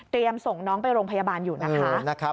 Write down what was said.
ส่งน้องไปโรงพยาบาลอยู่นะคะ